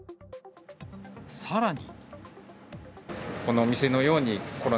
さらに。